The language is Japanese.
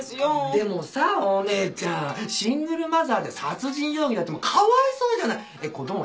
でもさぁお姉ちゃんシングルマザーで殺人容疑なんてかわいそうじゃない子ども